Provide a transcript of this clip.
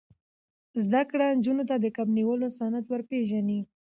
زده کړه نجونو ته د کب نیولو صنعت ور پېژني.